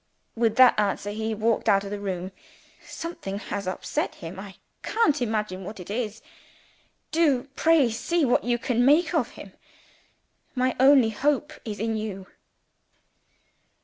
With that answer, he walked out of the room. Something has upset him I can't imagine what it is. Do pray see what you can make of him! My only hope is in you."